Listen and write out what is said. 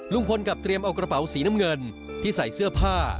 กลับเตรียมเอากระเป๋าสีน้ำเงินที่ใส่เสื้อผ้า